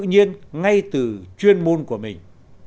với tự nhiên ngay từ chuyên môn của mình